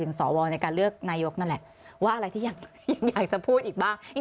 สวในการเลือกนายกนั่นแหละว่าอะไรที่อยากจะพูดอีกบ้าง